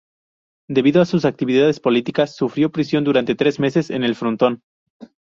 Debido a sus actividades políticas, sufrió prisión durante tres meses en El Frontón.